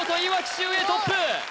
秀英トップ